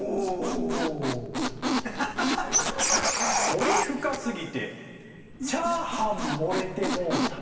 「彫り深すぎてチャーハン盛れてもうた．．．」